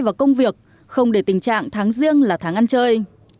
vào công việc không để tình trạng tháng riêng là tháng ăn chơi